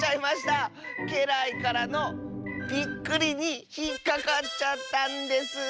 けらいからのびっくりにひっかかっちゃったんです。